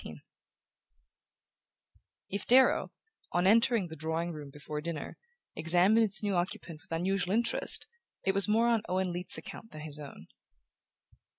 XIV If Darrow, on entering the drawing room before dinner, examined its new occupant with unusual interest, it was more on Owen Leath's account than his own.